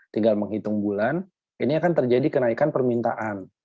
tinggal menghitung bulan ini akan terjadi kenaikan permintaan